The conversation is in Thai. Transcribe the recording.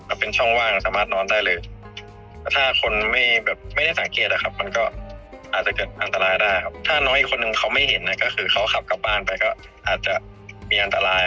อาจจะมีอันตรายครับเพราะว่าน้องเขาเก็บรถเข้าห้องด้วย